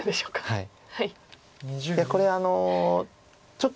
はい。